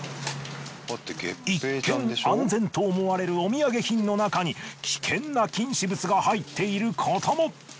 一見安全と思われるお土産品の中に危険な禁止物が入っていることも。